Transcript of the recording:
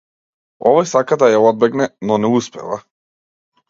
Овој сака да ја одбегне, но не успева.